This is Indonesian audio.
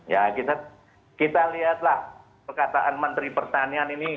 ya kita lihatlah perkataan menteri pertanian ini